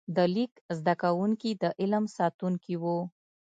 د لیک زده کوونکي د علم ساتونکي وو.